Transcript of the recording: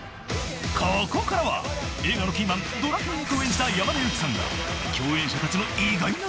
［ここからは映画のキーマンドラケン役を演じた山田裕貴さんが］